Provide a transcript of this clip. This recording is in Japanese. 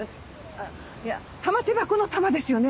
あっいや玉手箱の「玉」ですよね？